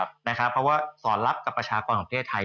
เพราะว่าสอนรับกับประชากรของประเทศไทย